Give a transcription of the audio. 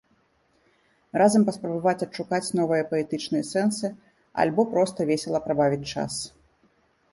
Разам паспрабаваць адшукаць новыя паэтычныя сэнсы, альбо проста весела прабавіць час.